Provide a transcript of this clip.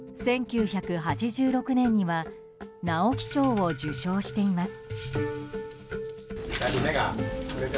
１９８６年には直木賞を受賞しています。